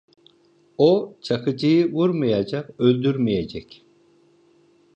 O Çakıcı'yı vurmayacak, öldürmeyecek!